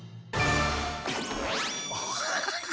アハハハ。